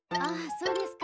そうですか。